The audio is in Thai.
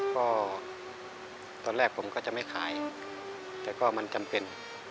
ก็ตอนแรกผมก็จะไม่ขายแต่ก็มันจำเป็น